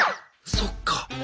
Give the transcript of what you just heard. そっか。